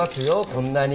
こんなに。